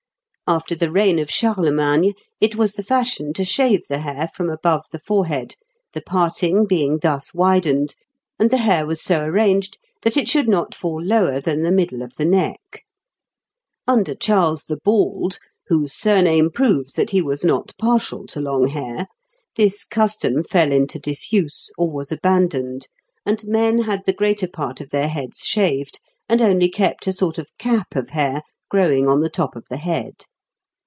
After the reign of Charlemagne, it was the fashion to shave the hair from above the forehead, the parting being thus widened, and the hair was so arranged that it should not fall lower than the middle of the neck. Under Charles the Bald, whose surname proves that he was not partial to long hair, this custom fell into disuse or was abandoned, and men had the greater part of their heads shaved, and only kept a sort of cap of hair growing on the top of the head.